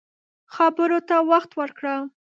خبرو ته وخت ورکړه